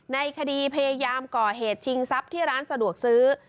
ในคดีพยายามก่อเหตุชิงทรัพย์ที่ร้านสะดวกซื้อ